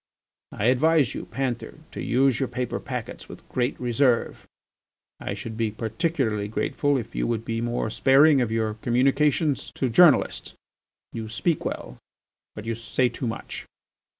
I advise you, Panther, to use your paper packets with great reserve. I should be particularly grateful if you would be more sparing of your communications to journalists. You speak well, but you say too much.